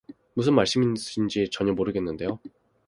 무슨 말씀이신지 전혀 모르겠는데요.